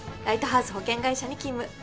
ライトハウス保険会社に勤務。